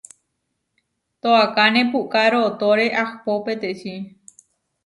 Toákane puʼká rootóre ahpó peteči.